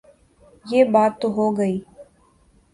یہ بات تو ہو گئی۔